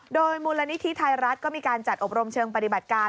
โดยมูลนิธิไทยรัฐก็มีการจัดอบรมเชิงปฏิบัติการ